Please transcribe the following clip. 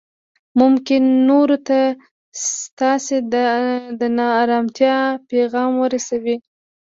ممکن نورو ته ستاسې د نا ارامتیا پیغام ورسوي